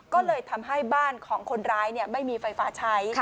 ก็เลยทำให้บ้านของคนร้ายไม่มีไฟฟ้าใช้